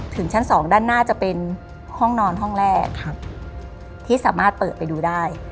ชั้น๒ด้านหน้าจะเป็นห้องนอนห้องแรกที่สามารถเปิดไปดูได้